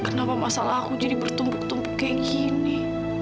kenapa masalah aku jadi bertumpuk tumpuk seperti ini